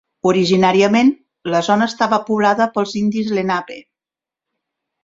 Originàriament, la zona estava poblada pels indis lenape.